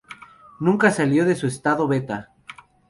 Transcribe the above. Nunca salió de su estado beta.